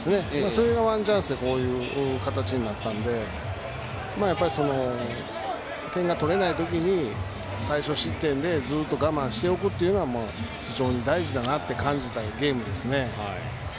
それがワンチャンスでこういう形になったのでやっぱり、点が取れないときに最少失点でずっと我慢しておくのが非常に大事に感じたゲームです。